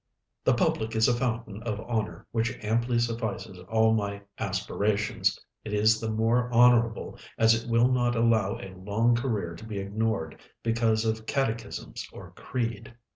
The public is a fountain of honor which amply suffices all my aspirations; it is the more honorable as it will not allow a long career to be ignored because of catechisms or creed."